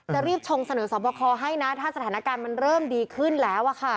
แต่รีบชงสนุนสมประคอให้นะถ้าสถานการณ์มันเริ่มดีขึ้นแล้วอ่ะค่ะ